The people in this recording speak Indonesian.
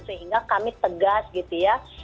sehingga kami tegas gitu ya